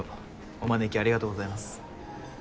お招きありがとうございます。